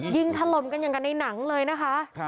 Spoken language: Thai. ถล่มกันอย่างกันในหนังเลยนะคะ